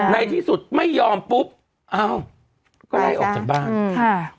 ในที่สุดไม่ยอมปุ๊บอ้าวก็ไล่ออกจากบ้านค่ะ